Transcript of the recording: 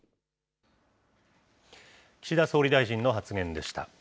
岸田総理大臣の発言でした。